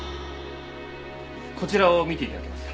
こちらを見て頂けますか？